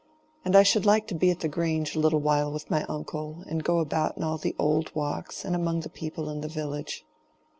And I should like to be at the Grange a little while with my uncle, and go about in all the old walks and among the people in the village."